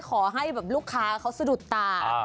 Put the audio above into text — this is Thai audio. ขอให้แบบลูกค้าเขาสะดุดตา